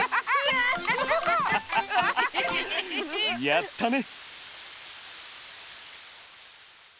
やったね！